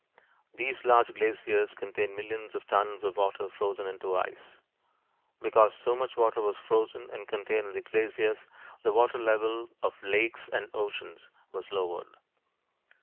These large glaciers contained millions of tons of water frozen into ice. Because so much water was frozen and contained in the glaciers, the water level of lakes and oceans was lowered.